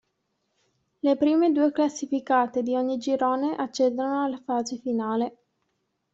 Le prime due classificate di ogni girone accedono alla fase finale.